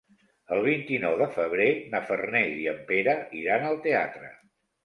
El vint-i-nou de febrer na Farners i en Pere iran al teatre.